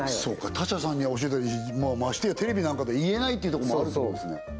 そっか他社さんに教えたりましてやテレビなんかで言えないっていうとこもあると思うんですね